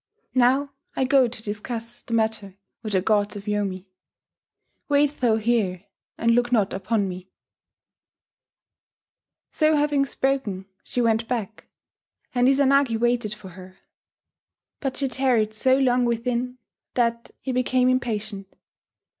Now I go to discuss the matter with the gods of Yomi. Wait thou here, and look not upon me." So having spoken, she went back; and Izanagi waited for her. But she tarried so long within that he became impatient.